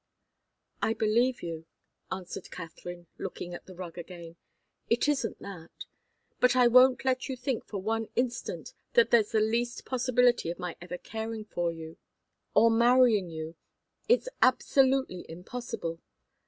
"I believe you," answered Katharine, looking at the rug again. "It isn't that. But I won't let you think for one instant that there's the least possibility of my ever caring for you, or marrying you. It's absolutely impossible."